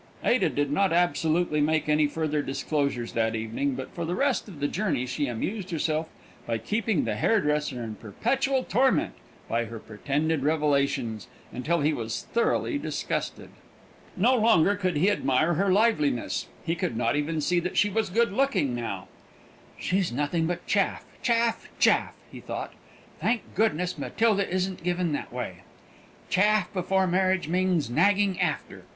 Ada did not absolutely make any further disclosures that evening; but for the rest of the journey she amused herself by keeping the hairdresser in perpetual torment by her pretended revelations, until he was thoroughly disgusted. No longer could he admire her liveliness; he could not even see that she was good looking now. "She's nothing but chaff, chaff, chaff!" he thought. "Thank goodness, Matilda isn't given that way. Chaff before marriage means nagging after!"